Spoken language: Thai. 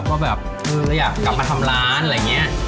ว่าแบบเราอยากกลับมาทำร้านอะไรอย่างนี้